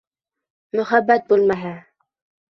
Мөхәббәт бүлмәһе!